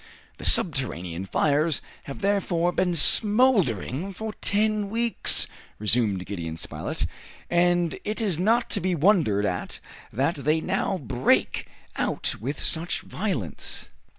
"The subterranean fires have therefore been smoldering for ten weeks," resumed Gideon Spilett, "and it is not to be wondered at that they now break out with such violence!"